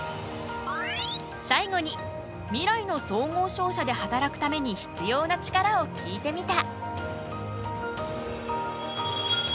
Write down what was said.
最後に未来の総合商社で働くために必要なチカラを聞いてみた。